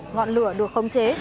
ngọn lửa được khống chế